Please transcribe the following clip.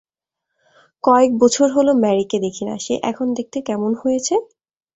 কয়েকবছর হল ম্যারিকে দেখিনা, সে এখন দেখতে কেমন হয়েছে?